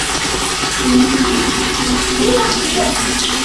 এই নিয়ে কিছু ভালো গবেষণা হওয়া দরকার।